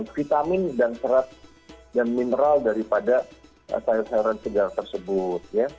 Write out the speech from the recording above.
vitamin dan serat dan mineral daripada sayur sayuran segar tersebut